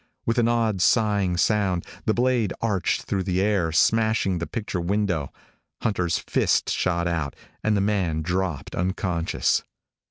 With an odd, sighing sound, the blade arched through the air, smashing the picture window. Hunter's fist shot out, and the man dropped unconscious.